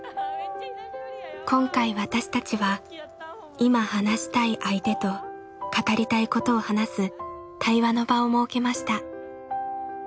今回私たちは「今話したい相手」と「語りたいこと」を話す対話の場を設けました。